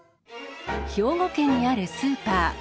兵庫県にあるスーパー。